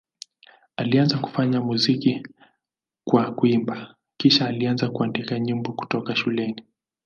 Alianza kufanya muziki kwa kuimba, kisha alianza kuandika nyimbo kutoka shuleni.